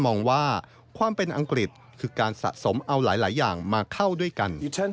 มองว่าความเป็นอังกฤษคือการสะสมเอาหลายอย่างมาเข้าด้วยกัน